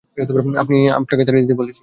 আমি আপনাকে তাড়িয়ে দিতে বলেছি।